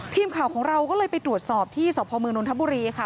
ทีมข่าวของเราก็เลยไปตรวจสอบที่สพมนนทบุรีค่ะ